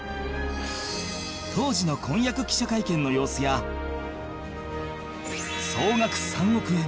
当時の婚約記者会見の様子や総額３億円